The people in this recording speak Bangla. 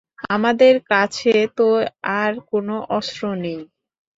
আমাদের কাছে তো আর কোনো অস্ত্র নেই।